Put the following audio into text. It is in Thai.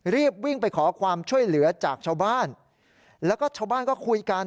รีบวิ่งไปขอความช่วยเหลือจากชาวบ้านแล้วก็ชาวบ้านก็คุยกัน